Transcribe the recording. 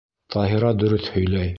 Таһира дөрөҫ һөйләй!